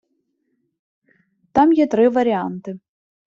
Там є три варіанти.